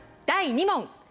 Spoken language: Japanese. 第２問！